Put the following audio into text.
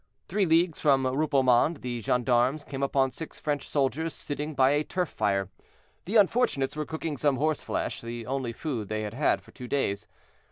Three leagues from Rupelmonde the gendarmes came upon six French soldiers sitting by a turf fire; the unfortunates were cooking some horse flesh, the only food they had had for two days.